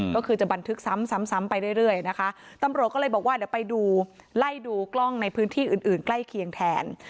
ก็คือจะบันทึกซ้ำซ้ำไปเรื่อยนะคะตำรวจก็เลยบอกว่าเดี๋ยวไปดูไล่ดูกล้องในพื้นที่อื่นอื่นใกล้เคียงแทน